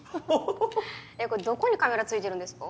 えっこれどこにカメラ付いてるんですか？